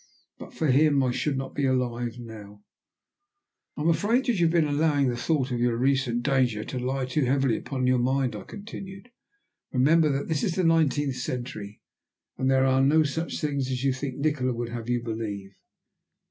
But for him I should not be alive now." "I am afraid that you have been allowing the thought of your recent danger to lie too heavily upon your mind," I continued. "Remember that this is the nineteenth century, and that there are no such things as you think Nikola would have you believe."